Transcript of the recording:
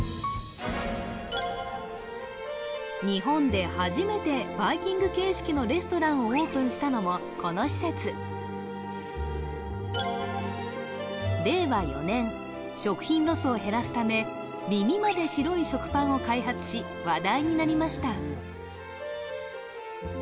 日本で初めてバイキング形式のレストランをオープンしたのもこの施設食品ロスを減らすため耳まで白い食パンを開発し話題になりました